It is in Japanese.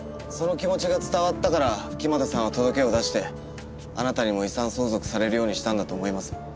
その気持ちが伝わったから木俣さんは届けを出してあなたにも遺産相続されるようにしたんだと思います。